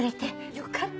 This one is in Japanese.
よかった。